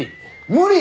無理！？